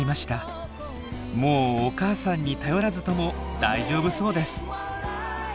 もうお母さんに頼らずとも大丈夫そうです。